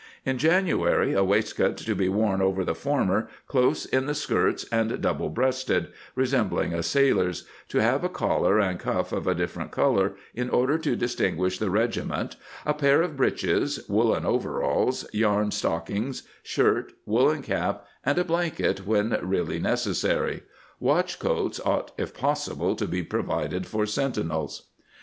In January, a waistcoat to be worn over the former, close in the skirts and double breasted, resem bling a sailor's —, to have a collar and cuff of a different color, in order to distinguish the regi ment, a pair of breeches, woolen overalls, yarn stockings, shirt, woolen cap, and a blanket when really necessary. Watch coats ought if possible to be provided for sentinels."